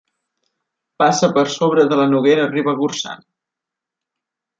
Passa per sobre de la Noguera Ribagorçana.